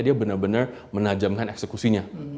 dia benar benar menajamkan eksekusinya